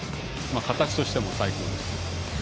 形としても最高です。